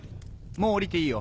もう下りていいよ。